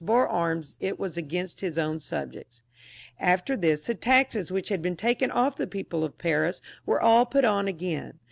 bore arms, it was against his own subjects. After this the taxes which had been taken off from the people of Paris were all put on again.